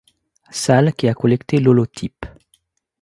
Salle qui a collecté l'holotype.